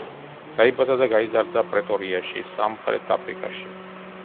დაიბადა და გაიზარდა პრეტორიაში, სამხრეთ აფრიკაში.